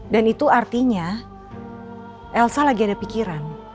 dan itu artinya elsa lagi ada pikiran